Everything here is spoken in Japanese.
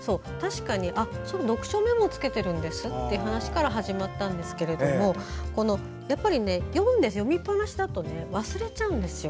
読書メモをつけてるんですって話から始まったんですけれどもやっぱり読みっぱなしだと忘れちゃうんですよ。